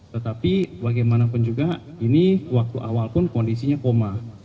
tetapi bagaimanapun juga ini waktu awal pun kondisinya koma